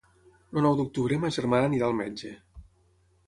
El nou d'octubre ma germana irà al metge.